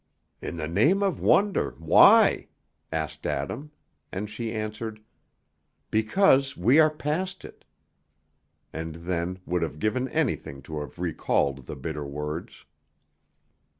"In the name of wonder, why?" asked Adam, and she answered, "Because we are past it," and then would have given anything to have recalled the bitter words.